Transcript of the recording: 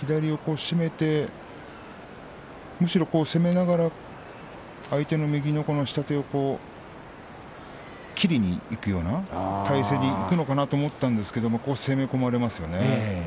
左横を締めて攻めながら相手の右の下手を切りにいくような体勢にいくのかなと思ったんですが攻め込まれますよね。